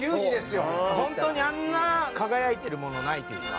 本当にあんな輝いてるものないというか。